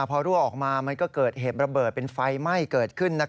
พอรั่วออกมามันก็เกิดเหตุระเบิดเป็นไฟไหม้เกิดขึ้น